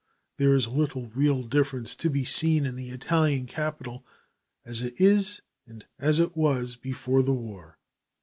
There is little real difference to be seen in the Italian capital as it is and as it was before the war.